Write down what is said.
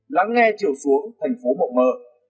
lắng nghe chiều xuống thành phố mộng mờ